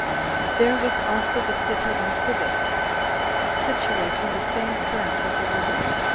There was also the city Nisibis, situate on the same current of the river.